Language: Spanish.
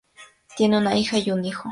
Tienen una hija y un hijo.